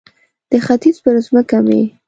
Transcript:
د ختیځ پر مځکه مې